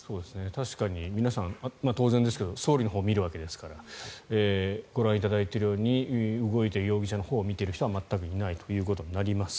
確かに皆さん当然ですけど総理のほうを見るわけですからご覧いただいているように動いた容疑者のほうを見ている人は全くいないということになります。